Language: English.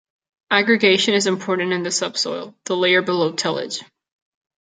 Aggregation is important in the subsoil, the layer below tillage.